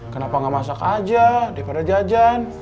kenapa nggak masak aja daripada jajan